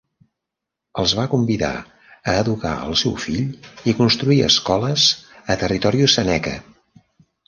Els va convidar a educar el seu fill i construir escoles a territori seneca.